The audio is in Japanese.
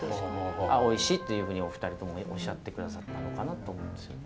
あっおいしいっていうふうにお二人ともおっしゃって下さったのかなと思うんですよね。